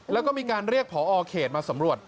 แล้วก็มีการเรียกพอเขตมาสำรวจ